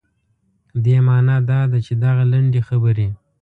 دې معنا دا ده چې دغه لنډې خبرې.